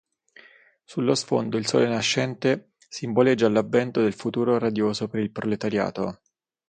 Sullo sfondo, il sole nascente simboleggia l'avvento del futuro radioso per il proletariato.